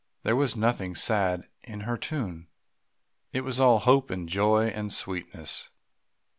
There was nothing sad in her tune, it was all hope and joy and sweetness.